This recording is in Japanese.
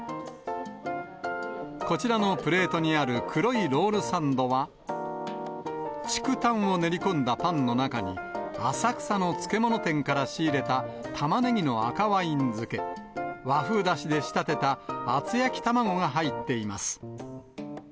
こちらのプレートにある黒いロールサンドは、竹炭を練り込んだパンの中に、浅草の漬物店から仕入れたたまねぎの赤ワイン漬け、和風だしで仕立てた厚焼き卵が入っています。